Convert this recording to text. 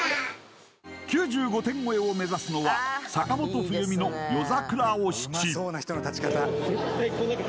９５点超えを目指すのは坂本冬美の「夜桜お七」